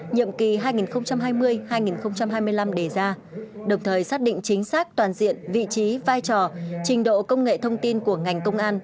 nhiệm kỳ hai nghìn hai mươi hai nghìn hai mươi năm đề ra đồng thời xác định chính xác toàn diện vị trí vai trò trình độ công nghệ thông tin của ngành công an